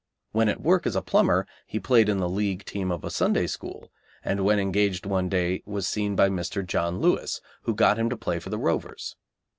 When at work as a plumber he played in the League team of a Sunday school, and when engaged one day was seen by Mr. John Lewis, who got him to play for the Rovers.